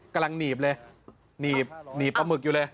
กำลังหนีบเลยหนีบหนีบปลาหมึกอยู่เลย